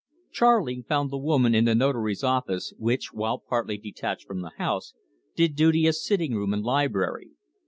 Charley found the woman in the Notary's office, which, while partly detached from the house, did duty as sitting room and library.